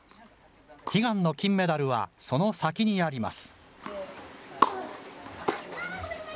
悲願の金メダルは、その先にあります。